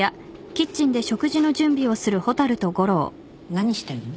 何してんの？